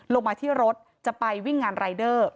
ลงมาที่รถจะไปวิ่งงานรายเดอร์